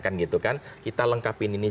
kan gitu kan kita lengkapin ini